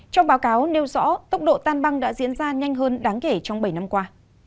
trong báo cáo nêu rõ tốc độ tan băng đã diễn ra nhanh hơn đáng kể trong bảy năm qua